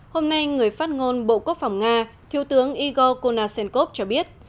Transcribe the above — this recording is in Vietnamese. hôm nay người phát ngôn bộ quốc phòng nga thiếu tướng igor konashenkov cho biết